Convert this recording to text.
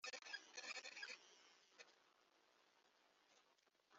ingingo ya kabiri ibishyirwaho n’iteka rya minisitiri